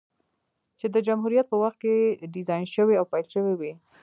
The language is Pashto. چې د جمهوريت په وخت کې ډيزاين شوې او پېل شوې وې،